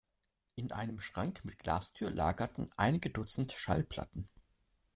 In einem Schrank mit Glastür lagerten einige dutzend Schallplatten.